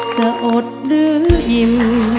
จะอดหรือยิ้ม